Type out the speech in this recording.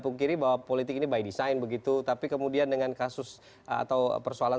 pungkiri bahwa politik ini by design begitu tapi kemudian dengan kasus atau persoalan